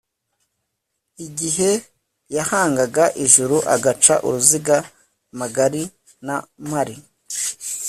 igihe yahangaga ijuru agaca uruziga magari.nari mpari